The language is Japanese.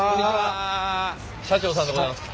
社長さんでございますか。